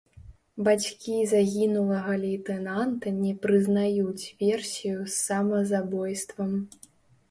Бацькі загінулага лейтэнанта не прызнаюць версію з самазабойствам.